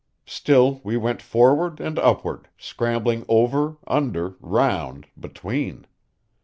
Still we went forward and upward, scrambling over, under, round, between.